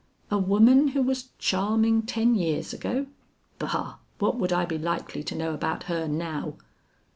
A woman who was charming ten years ago Bah! what would I be likely to know about her now!"